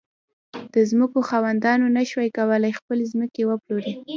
د ځمکو خاوندانو نه شوای کولای خپلې ځمکې وپلوري.